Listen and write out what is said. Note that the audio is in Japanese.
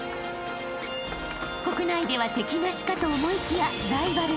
［国内では敵なしかと思いきや］